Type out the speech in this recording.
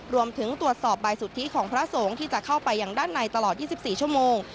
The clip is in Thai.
รวมถึงตรวจสอบใบสุทธิของพระสงฆ์ที่จะเข้าไปอย่างด้านในตลอด๒๔ชั่วโมง